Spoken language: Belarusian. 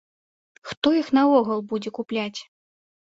Хто іх наогул будзе купляць?